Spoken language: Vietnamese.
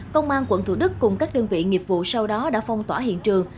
công an quận thủ đức cùng các đơn vị nghiệp vụ sau đó đã phong tỏa hiện trường